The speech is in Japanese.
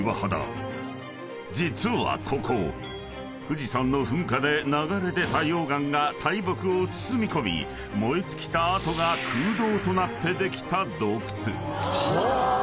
［実はここ富士山の噴火で流れ出た溶岩が大木を包み込み燃え尽きた跡が空洞となってできた洞窟］